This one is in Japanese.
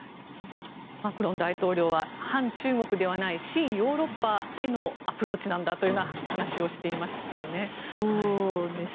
マクロン大統領は反中国ではない親ヨーロッパへのアプローチなんだという話をしていましたよね。